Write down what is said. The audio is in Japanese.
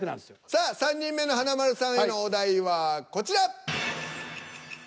さあ３人目の華丸さんへのお題はこちら。